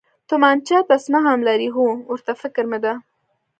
تومانچه تسمه هم لري، هو، ورته فکر مې دی.